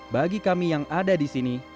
bagi kami yang ada di sini